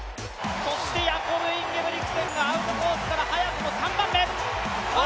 ヤコブ・インゲブリクセンがアウトコースから速くも３番目。